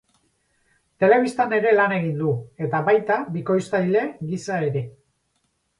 Telebistan ere lan egin du, eta baita bikoiztaile gisa ere.